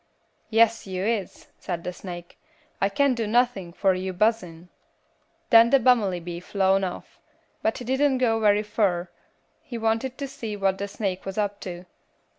"'Yes, yuh is,' said the snake, 'I can't do nothin' fur yo' buzzin'.' "Then the bummelybee flown off, but he didn't go very fur, he wanted to see what the snake was up to.